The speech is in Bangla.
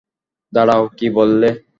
দাড়াঁও, কী বললে?